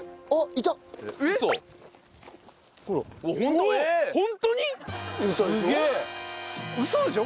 いたでしょ？